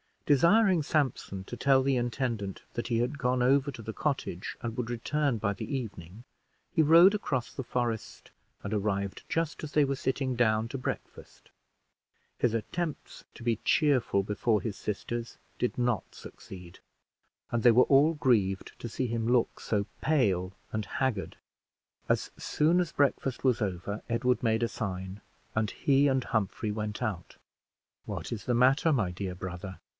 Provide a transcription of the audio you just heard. Desiring Sampson to tell the intendant that he had gone over to the cottage and would return by the evening, he rode across the forest, and arrived just as they were sitting down to breakfast. His attempts to be cheerful before his sisters did not succeed, and they were all grieved to see him look so pale and haggard. As soon as breakfast was over, Edward made a sign, and he and Humphrey went out. "What is the matter, my dear brother?"